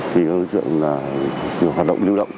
thì hỗ trợ hoạt động lưu động